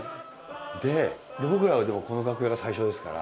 僕らはでもこの楽屋が最初ですから。